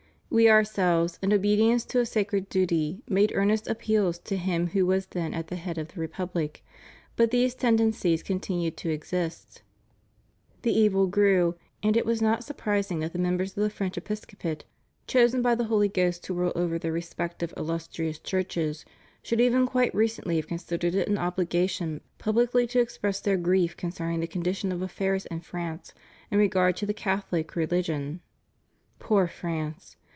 We Ourselves, in obedience to a sacred duty, made earnest appeals to him who was then at the head of the republic, but these tendencies continued to exist ; the evil grew, and it was not surprising that the members of the French Episcopate chosen by the Holy Ghost to rule over their respective illustrious churches should even quite recently have considered it an obliga tion publicly to express their grief concerning the con dition of affairs in France in regard to the Catholic re ligion. Poor France!